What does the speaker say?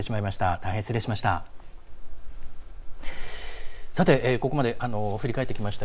大変失礼しました。